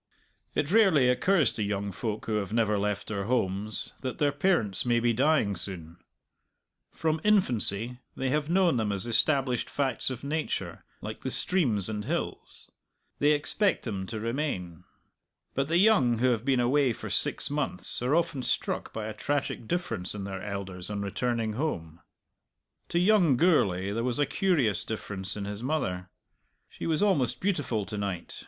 It rarely occurs to young folk who have never left their homes that their parents may be dying soon; from infancy they have known them as established facts of nature like the streams and hills; they expect them to remain. But the young who have been away for six months are often struck by a tragic difference in their elders on returning home. To young Gourlay there was a curious difference in his mother. She was almost beautiful to night.